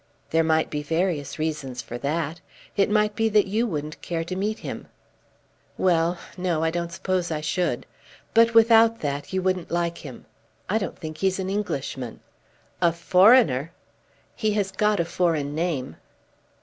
"There might be various reasons for that. It might be that you wouldn't care to meet him." "Well; no, I don't suppose I should. But without that you wouldn't like him. I don't think he's an Englishman." "A foreigner!" "He has got a foreign name."